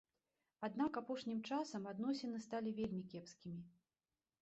Аднак апошнім часам адносіны сталі вельмі кепскімі.